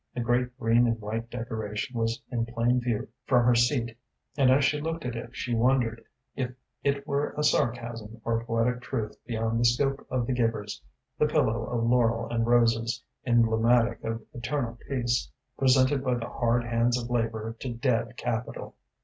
The great green and white decoration was in plain view from her seat, and as she looked at it she wondered if it were a sarcasm or poetic truth beyond the scope of the givers, the pillow of laurel and roses, emblematic of eternal peace, presented by the hard hands of labor to dead capital.